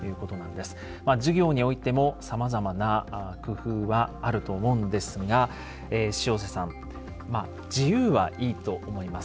授業においてもさまざまな工夫はあると思うんですが塩瀬さん自由はいいと思います